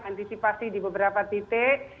antisipasi di beberapa titik